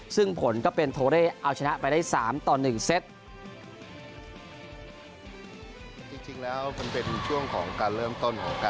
ซึ่งผลก็เป็นโทเร่เอาชนะไปได้๓ต่อ๑เซต